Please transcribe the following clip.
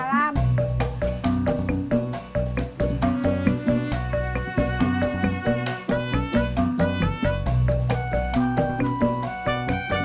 masa seperti ini